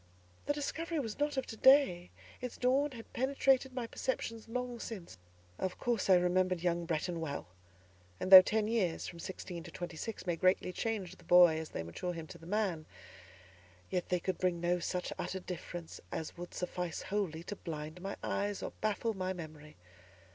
The discovery was not of to day, its dawn had penetrated my perceptions long since. Of course I remembered young Bretton well; and though ten years (from sixteen to twenty six) may greatly change the boy as they mature him to the man, yet they could bring no such utter difference as would suffice wholly to blind my eyes, or baffle my memory.